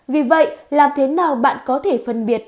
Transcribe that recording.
vì vậy làm thế nào bạn có thể phân biệt